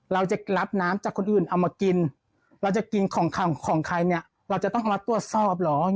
เราจะรับน้ำจากคนอื่นเอามากินเราจะกินของใครเนี่ยเราจะต้องมาตรวจสอบเหรอ